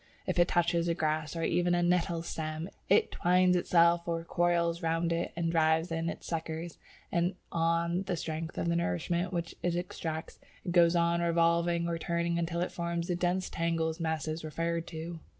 If it touches a grass or even a nettle stem, it twines itself or coils round it, drives in its suckers, and, on the strength of the nourishment which it extracts, it goes on revolving or turning until it forms the dense tangled masses referred to.